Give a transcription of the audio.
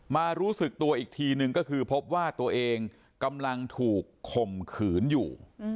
รู้สึกตัวอีกทีนึงก็คือพบว่าตัวเองกำลังถูกข่มขืนอยู่